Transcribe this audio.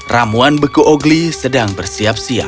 ramuan beku ogli sedang bersiap siap